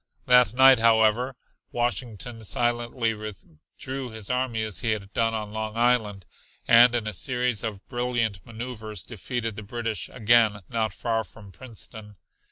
That night, however, Washington silently withdrew his army as he had done on Long Island and in a series of brilliant maneuvers defeated the British again not far from Princeton.